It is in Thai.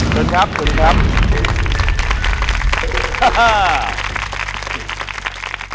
เชิญครับสวัสดีครับ